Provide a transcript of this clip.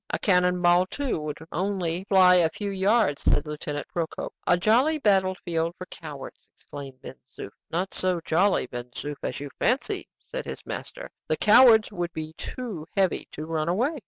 A cannon ball, too, would only fly a few yards," said Lieutenant Procope. "A jolly battle field for cowards!" exclaimed Ben Zoof. "Not so jolly, Ben Zoof, as you fancy," said his master; "the cowards would be too heavy to run away."